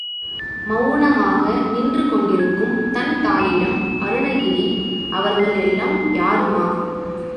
மவுனமாக நின்று கொண்டிருக்கும் தன் தாயிடம் அருணகிரி, அவர்கள் எல்லாம் யாரும்மா?